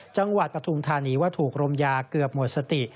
จังหวัดปทุงธานีว่าถูกรมยาเกือบหมดสติ